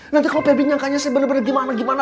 nanti kalau pebi nyangkanya saya bener bener gimana gimana